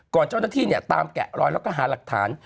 ก่อนเจ้าหน้าที่เนี่ยตามแกะรอยแล้วก็หารักฐาน